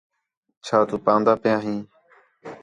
چَھا تُو ہان٘دا پیاں ہیں